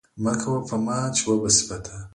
مه کوه په ما، چې وبه سي په تا!